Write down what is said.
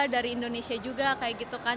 dari indonesia juga kayak gitu kan